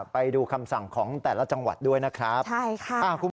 ไปดูคำสั่งของแต่ละจังหวัดด้วยนะครับ